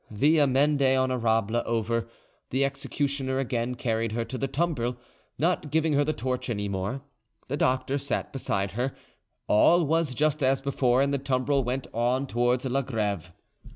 The 'amende honorable' over, the executioner again carried her to the tumbril, not giving her the torch any more: the doctor sat beside her: all was just as before, and the tumbril went on towards La Greve.